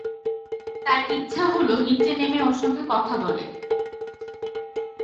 তার ইচ্ছা হল নিচে নেমে ওর সঙ্গে কথা বলে।